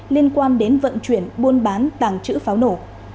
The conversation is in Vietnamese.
liên quan đến vận chuyển buôn bán tàng trữ pháo nổ